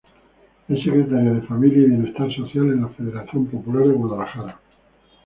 Es secretaria de familia y bienestar social en la federación popular de Guadalajara.